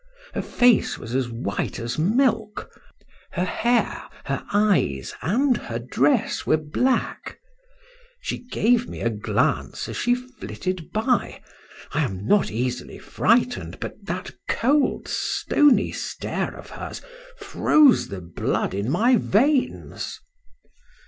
Her face was as white as milk, her hair, her eyes, and her dress were black. She gave me a glance as she flitted by. I am not easily frightened, but that cold stony stare of hers froze the blood in my veins."